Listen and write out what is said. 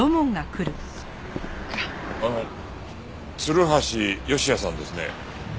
あの鶴橋善也さんですね。